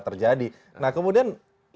terjadi nah kemudian